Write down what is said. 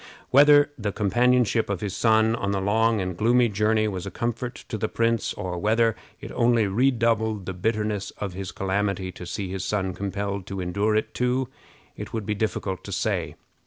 Whether the companionship of his son on the long and gloomy journey was a comfort to the prince, or whether it only redoubled the bitterness of his calamity to see his son compelled to endure it too, it would be difficult to say.